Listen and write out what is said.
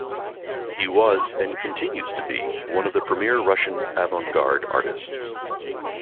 He was and continues to be one of the premier Russian avant-garde artists.